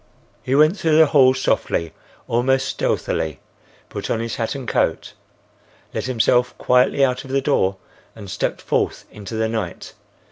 He went through the hall softly, almost stealthily; put on his hat and coat; let himself quietly out of the door and stepped forth into the night.